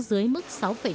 dưới mức sáu năm